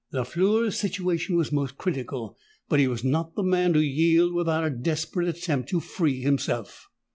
Lafleur's situation was most critical; but he was not the man to yield without a desperate attempt to free himself.